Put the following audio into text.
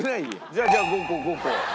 じゃあじゃあ５個５個。